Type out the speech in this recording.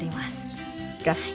そうですか。